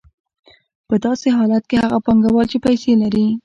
په داسې حالت کې هغه پانګوال چې پیسې لري